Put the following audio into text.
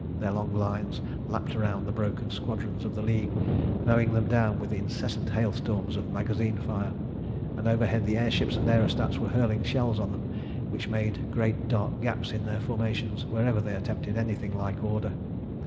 Their long lines lapped round the broken squadrons of the League, mowing them down with incessant hailstorms of magazine fire, and overhead the air ships and aerostats were hurling shells on them which made great dark gaps in their formations wherever they attempted anything like order.